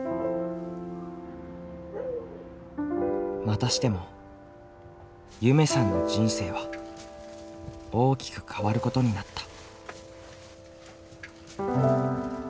またしても夢さんの人生は大きく変わることになった。